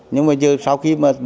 nhưng mà giờ sau khi mà